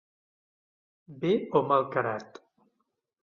Bé o mal carat.